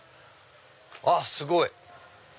あっすごい！